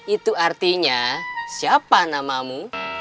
itu artinya siapa namamu